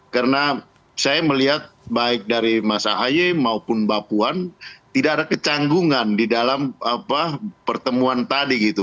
karena saya melihat baik dari mas ahi maupun bapuan tidak ada kecanggungan di dalam pertemuan tadi gitu